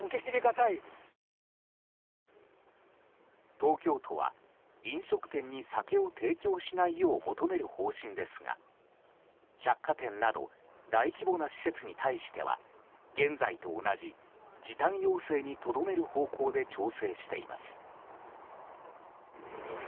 東京都は、飲食店に酒を提供しないよう求める方針ですが、百貨店など大規模な施設に対しては現在と同じ、時短要請にとどめる方向で調整しています。